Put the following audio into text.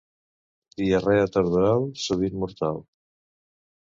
Diarrea tardoral, sovint mortal.